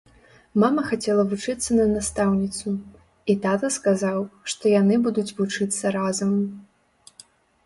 Мама хацела вучыцца на настаўніцу, і тата сказаў, што яны будуць вучыцца разам.